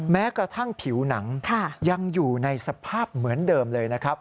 แม้กระทั่งผิวหนังยังอยู่ในสภาพเหมือนเดิมเลยนะครับ